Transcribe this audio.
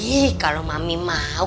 ih kalau mami mau